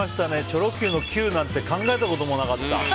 チョロＱのＱなんて考えたこともなかった。